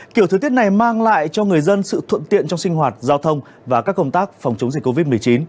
kiểu thời tiết này mang lại cho người dân sự thuận tiện trong sinh hoạt giao thông và các công tác phòng chống dịch covid một mươi chín